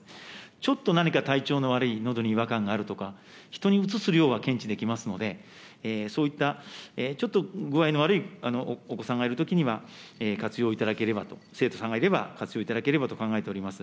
ちょっと何か体調の悪い、のどに違和感があるのか、人にうつす量は検知できますので、そういったちょっと具合の悪いお子さんがいるときには、活用いただければと、生徒さんがいれば活用いただければと考えております。